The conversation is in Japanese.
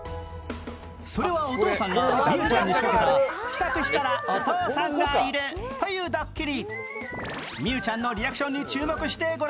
それはお父さんがみゆちゃんに仕掛けた帰宅したらお父さんがいるというドッキリ。